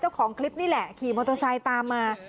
เจ้าของคลิปนี่แหละขี่มอเตอร์ไซค์ตามมา